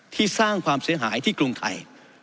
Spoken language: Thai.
สร้างความเสียหายที่กรุงไทย